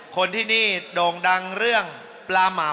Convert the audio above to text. คนที่นี่โด่งดังเรื่องปลาหม่ำ